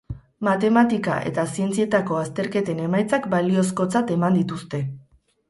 Matematika eta zientzietako azterketen emaitzak baliozkotzat eman dituzte.